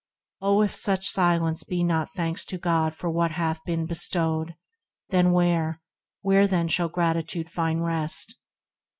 — Oh, if such silence be not thanks to God For what hath been bestowed, then where, where then Shall gratitude find rest